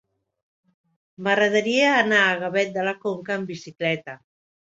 M'agradaria anar a Gavet de la Conca amb bicicleta.